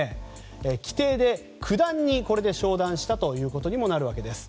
規定で九段に昇段したということにもなるわけです。